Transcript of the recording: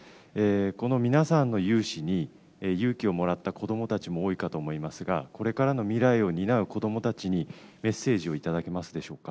この皆さんの雄姿に勇気をもらった子どもたちも多いかと思いますが、これからの未来を担う子どもたちにメッセージを頂けますでしょうか。